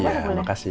iya makasih ya